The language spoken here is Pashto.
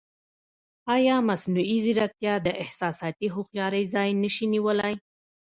ایا مصنوعي ځیرکتیا د احساساتي هوښیارۍ ځای نه شي نیولی؟